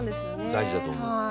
大事だと思う。